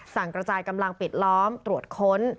สั่งกระจายกำลังปิดล้อมตรวจค้น